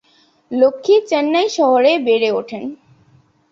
লক্ষ্মী চেন্নাই শহরে বেড়ে ওঠেন।